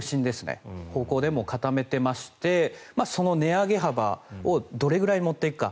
その方向で固めてましてその値上げ幅をどれくらい持っていくか。